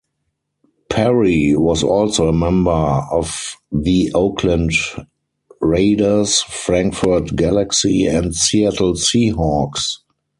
Parry was also a member of the Oakland Raiders, Frankfurt Galaxy, and Seattle Seahawks.